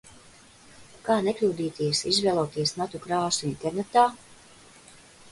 Kā nekļūdīties izvēloties matu krāsu internetā?